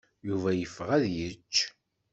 Yuba yeffeɣ ad d-yečč.